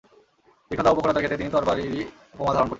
তীক্ষ্মতা ও প্রখরতার ক্ষেত্রে তিনি তরবারীরই উপমা ধারণ করতেন।